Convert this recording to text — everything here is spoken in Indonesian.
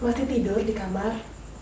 masih tidur di kamar